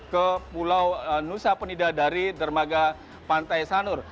ke pulau nusa penida dari dermaga pantai sanur